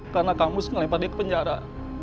karena kangus ngelepat dia ke penjara